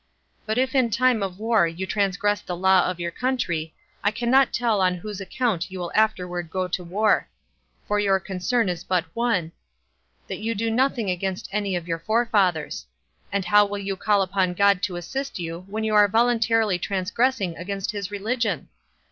But if in time of war you transgress the law of your country, I cannot tell on whose account you will afterward go to war; for your concern is but one, that you do nothing against any of your forefathers; and how will you call upon God to assist you, when you are voluntarily transgressing against his religion?